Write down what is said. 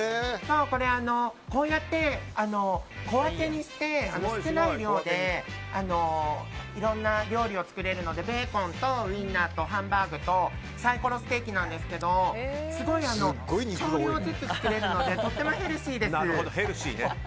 こうやって小分けにして少ない量でいろんな料理を作れるのでベーコンとウインナーとハンバーグとサイコロステーキなんですけどすごい少量ずつ作れるのでとてもヘルシーです。